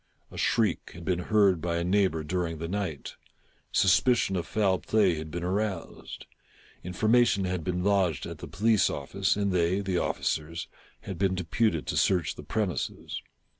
A shriek had been heard by a neighbor during the night ; suspicion of foul play had been aroused ; information had 574 THE TELL TALE HEART. been lodged at the police office, and they (the officers) had been deputed to search the premises.